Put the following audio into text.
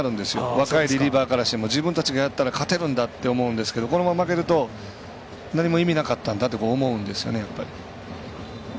若いリリーバーからしても自分たちがやったら勝てるんだって思うんですけどこのまま負けると何も意味なかったんだとか思うんですよね、やっぱり。